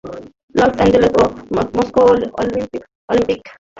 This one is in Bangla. লস অ্যাঞ্জেলেস ও Moscow Olympic, Delhi Asian games cover করেছেন তিনি।